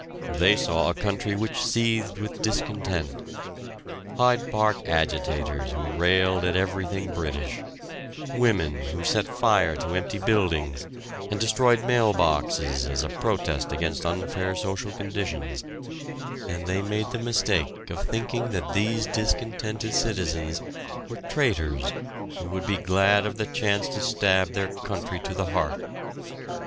They saw a country which seethed with discontent Hyde Park agitators who railed at everything British, women who set fire to empty buildings, and destroyed mail boxes as a protest against unfair social conditions and they made the mistake of thinking that these discontented citizens were traitors who would be glad of the chance to stab their country to the heart.